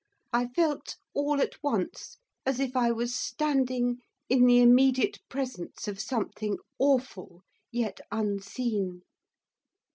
I felt, all at once, as if I was standing in the immediate presence of something awful yet unseen.